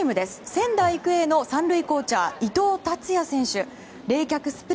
仙台育英の３塁コーチャー伊藤達也選手。